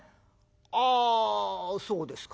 「ああそうですか。